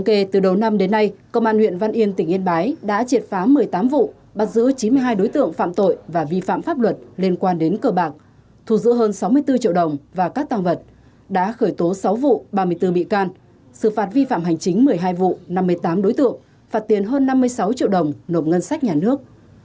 kể từ đầu năm đến nay công an huyện văn yên tỉnh yên bái đã triệt phá một mươi tám vụ bắt giữ chín mươi hai đối tượng phạm tội và vi phạm pháp luật liên quan đến cờ bạc thù giữ hơn sáu mươi bốn triệu đồng và các tăng vật đã khởi tố sáu vụ ba mươi bốn bị can xử phạt vi phạm hành chính một mươi hai vụ năm mươi tám đối tượng phạt tiền hơn năm mươi sáu triệu đồng nộp ngân sách nhà nước